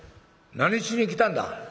何しに来たんだ？」。